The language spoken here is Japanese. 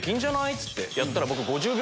っつってやったら。